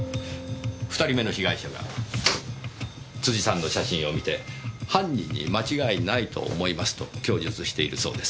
２人目の被害者が辻さんの写真を見て「犯人に間違いないと思います」と供述しているそうです。